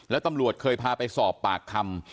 แล้วตำรวจเคยพาไปสอบปากคำ